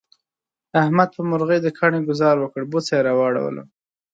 احمد په مرغی د کاڼي گذار وکړ، بوڅه یې را وړوله.